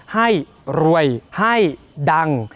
ให้รวยให้ดัง